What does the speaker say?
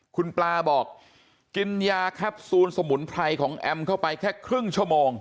คุณปลาบอกกินยาแคปซูลสมุนไพรของแอมเข้าไปแค่ครึ่งชั่วโมง